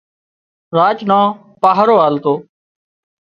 راچ نان پاهرو آلتو